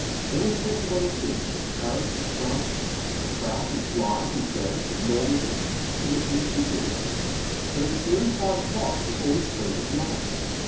Then we talked of other things, of Paris and Prance ; of trout, and flies, and Ferris, of Nor mandy, and the beauty of the world ; but it was nearly five o'clock before we spoke of love.